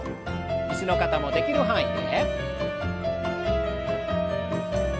椅子の方もできる範囲で。